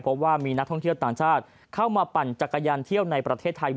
เพราะว่ามีนักท่องเที่ยวต่างชาติเข้ามาปั่นจักรยานเที่ยวในประเทศไทย